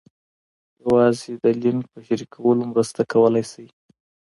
یوازې د لینک په شریکولو مرسته کولای سئ.